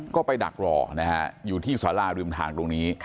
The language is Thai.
ก็ไปดักรอนะฮะอยู่ที่สาราริมทางตรงนี้